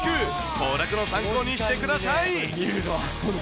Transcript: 行楽の参考にしてください。